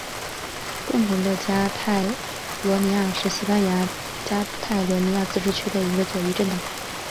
共同的加泰罗尼亚是西班牙加泰罗尼亚自治区的一个左翼政党。